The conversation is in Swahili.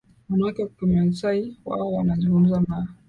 Wanawake wa Kimasai Wao wanazungumza Maa